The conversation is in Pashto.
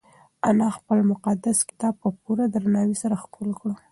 انا خپل مقدس کتاب په پوره درناوي سره ښکل کړ.